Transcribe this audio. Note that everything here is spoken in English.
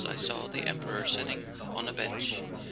I saw the Emperor sitting on a bench.